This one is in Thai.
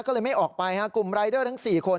ก็เลยไม่ออกไปกลุ่มรายเดอร์ทั้ง๔คน